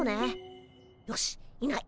よしいない。